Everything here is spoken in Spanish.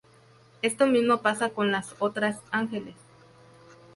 Esto mismo pasa con las otras ángeles.